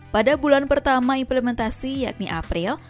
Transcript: pada bulan pertama implementasi yakni april